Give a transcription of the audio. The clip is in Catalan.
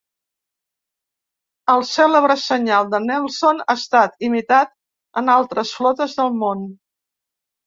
El cèlebre senyal de Nelson ha estat imitat en altres flotes del món.